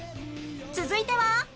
続いては